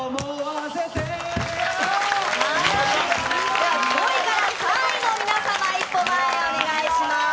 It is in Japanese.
では、５位から３位の皆様、一歩前へお願いします。